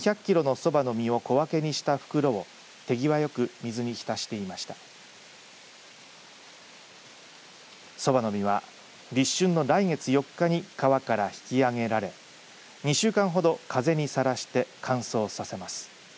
そばの実は立春の来月４日に川から引き上げられ２週間ほど風にさらして乾燥させます。